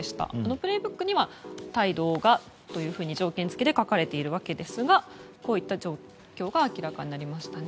「プレイブック」には帯同が条件付きで書かれているわけですがこういった状況が明らかになりましたね。